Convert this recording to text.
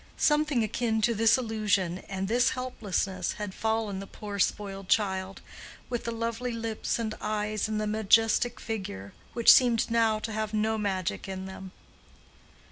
Something akin to this illusion and this helplessness had befallen the poor spoiled child, with the lovely lips and eyes and the majestic figure—which seemed now to have no magic in them.